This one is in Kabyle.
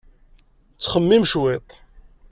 Ttxemmim cwiṭ!